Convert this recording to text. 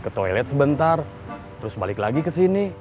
ke toilet sebentar terus balik lagi ke sini